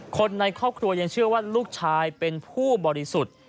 คนในครอบครัวยังเชื่อว่าลูกชายเป็นผู้บริสุทธิ์